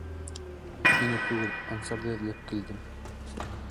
— Һине түгел, Ансарҙы эҙләп килдем.